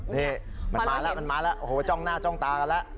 นี่มันมาแล้วมันมีมาแล้วโอ้โฮน่าจ้องตากะละ